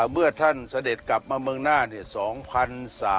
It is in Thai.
เมื่อท่านเสด็จกลับมาเมืองนาน๒๓๓๑